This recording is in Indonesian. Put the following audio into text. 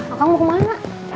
akang mau kemana